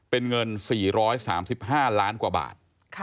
เป็นเงิน๔๓๕ล้านกว่าบาท